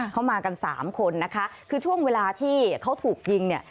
เขามากันสามคนนะคะคือช่วงเวลาที่เขาถูกยิงเนี่ย